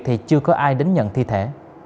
thì chưa có ai đến nhận thi thể